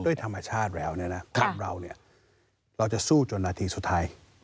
ด้วยธรรมชาติแล้วเราจะสู้จนนาทีสุดท้าย